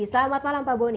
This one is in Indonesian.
selamat malam pak boni